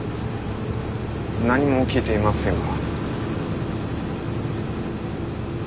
何も聞いていませんが。